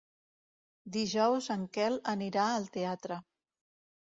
Dijous en Quel anirà al teatre.